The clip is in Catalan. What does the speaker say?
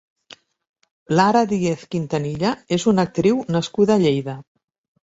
Lara Díez Quintanilla és una actriu nascuda a Lleida.